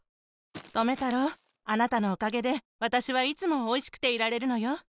とめたろうあなたのおかげでわたしはいつもおいしくていられるのよ。